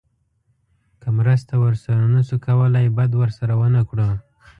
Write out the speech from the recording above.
که مرسته ورسره نه شو کولی بد ورسره ونه کړو.